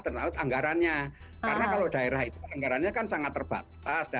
ternaut anggarannya karena kalau daerah itu anggarannya kan sangat terbatas